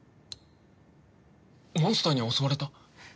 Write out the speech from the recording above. モンスターに襲われた？